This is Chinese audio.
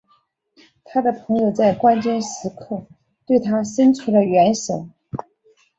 他的朋友们在关键时刻对他生出了援手。